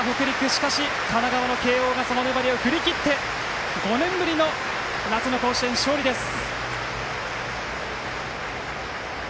しかし、神奈川の慶応がその粘りを振り切って５年ぶりの夏の甲子園勝利です。